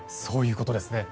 そういうことです。